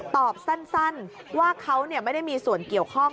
ตอบสั้นว่าเขาไม่ได้มีส่วนเกี่ยวข้อง